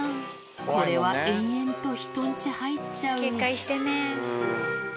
これは延々と人んち入っちゃう。